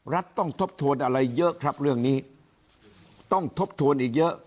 รัฐต้องทบทวนอะไรเยอะครับเรื่องนี้ต้องทบทวนอีกเยอะ